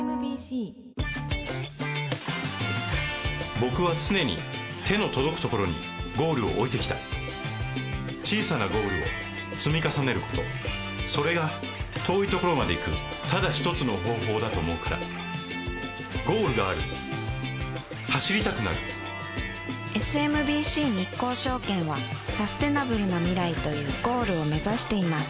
僕は常に手の届くところにゴールを置いてきた小さなゴールを積み重ねることそれが遠いところまで行くただ一つの方法だと思うからゴールがある走りたくなるＳＭＢＣ日興証券はサステナブルな未来というゴールを目指しています